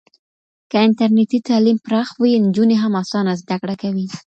که انټرنېټي تعلیم پراخ وي، نجونې هم اسانه زده کړه کوي.